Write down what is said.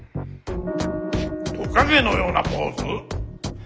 トカゲのようなポーズ？